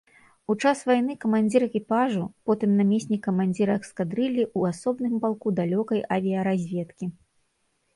У час вайны камандзір экіпажу, потым намеснік камандзіра эскадрыллі ў асобным палку далёкай авіяразведкі.